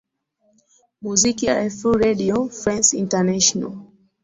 muziki rfi redio france international